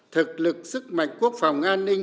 thực lực sức mạnh quốc phòng an ninh